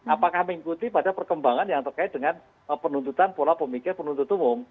apakah mengikuti pada perkembangan yang terkait dengan penuntutan pola pemikir penuntut umum